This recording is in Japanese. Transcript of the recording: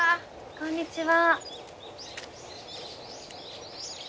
こんにちは。